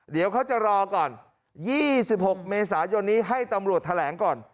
เดี๋ยวเขาจะรอก่อน๒๖เมษายนนี้ให้ตำรวจแถลงก่อน